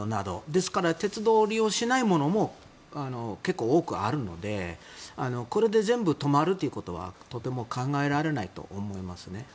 ですから鉄道を利用しないものも結構あるのでこれで全部止まることはとても考えられないと思います。